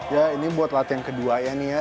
ya ini buat latihan kedua ya nih ya